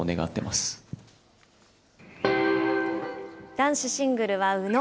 男子シングルは宇野。